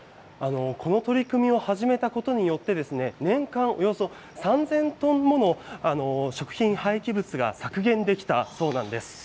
この取り組みを始めたことによって、年間およそ３０００トンもの食品廃棄物が削減できたそうなんです。